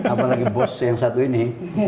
apalagi bos yang satu ini